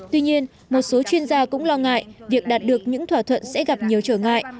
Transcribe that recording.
tuy nhiên một số chuyên gia cũng lo ngại việc đạt được những thỏa thuận sẽ gặp nhiều trở ngại